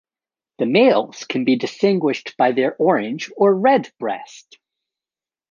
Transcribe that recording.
The males can be distinguished by their orange or red breast.